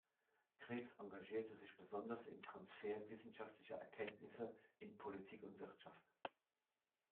Krebs engagierte sich besonders im Transfer wissenschaftlicher Erkenntnisse in Politik und Wirtschaft.